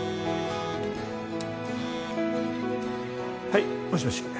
はいもしもし。